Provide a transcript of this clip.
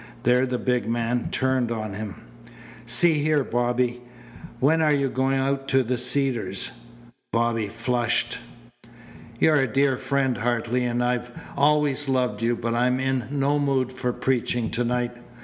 There the big man turned on him. "See here, Bobby! When are you going out to the Cedars?" Bobby flushed. "You're a dear friend, Hartley, and I've always loved you, but I'm in no mood for preaching tonight.